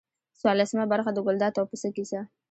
څوارلسمه برخه د ګلداد او پسه کیسه.